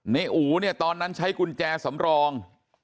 อู๋เนี่ยตอนนั้นใช้กุญแจสำรอง